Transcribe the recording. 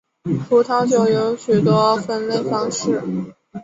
葡萄酒有许多分类方式。